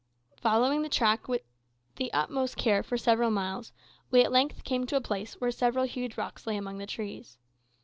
Following the track with the utmost care for several miles, we at length came to a place where several huge rocks lay among the trees.